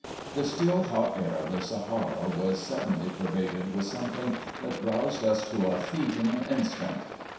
The still, hot air of the Sahara was suddenly pervaded with something that roused us to our feet in an instant.